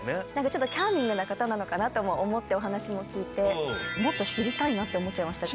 ちょっとチャーミングな方なのかなとも思ってお話も聞いて。って思っちゃいました。